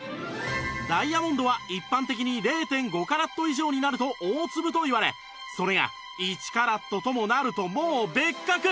ダイヤモンドは一般的に ０．５ カラット以上になると大粒といわれそれが１カラットともなるともう別格